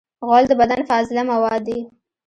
غول د بدن فاضله مواد دي.